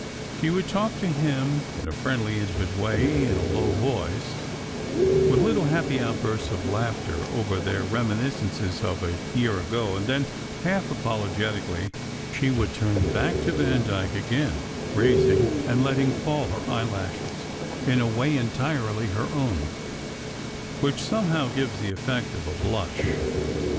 She would talk to him in a friendly, intimate way, in a low voice, with little happy outbursts of laughter over their reminiscences of a year ago; then, half apologetically, she would turn back to Vandyke again, raising and letting fall her eyelashes in a way entirely her own, which, somehow, gives the effect of a blush.